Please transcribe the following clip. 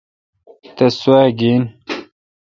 تس سوا گین۔